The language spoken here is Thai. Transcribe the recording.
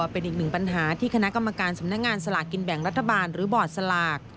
เป็นอีกหนึ่งปัญหาที่คณะกรรมการสำนักงานสลากกินแบ่งรัฐบาลหรือบอร์ดสลาก